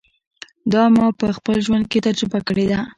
دا ما په خپل ژوند کې تجربه کړې ده.